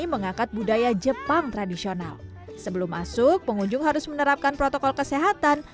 mengangkat budaya jepang tradisional sebelum masuk pengunjung harus menerapkan protokol kesehatan